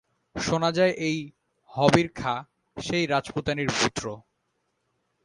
শোনা যায় এই হবির খাঁ সেই রাজপুতানীর পুত্র।